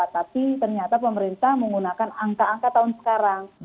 tapi ternyata pemerintah menggunakan angka angka tahun sekarang